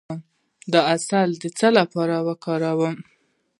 د عسل د څه لپاره وکاروم؟